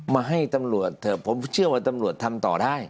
มาให้ตำรวจเถอะผมเชื่อว่าตำรวจทำต่อได้